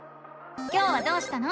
今日はどうしたの？